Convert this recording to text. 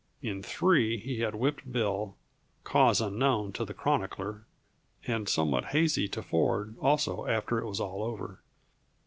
In three he had whipped Bill cause unknown to the chronicler, and somewhat hazy to Ford also after it was all over.